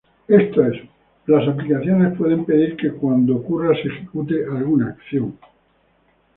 Esto es, las aplicaciones pueden pedir que cuando ocurra se ejecute alguna acción.